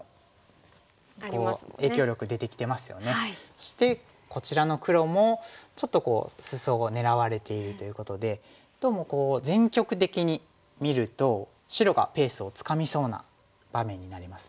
そしてこちらの黒もちょっとスソを狙われているということでどうも全局的に見ると白がペースをつかみそうな場面になりますね。